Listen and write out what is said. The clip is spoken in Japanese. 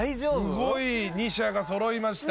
すごい２社がそろいました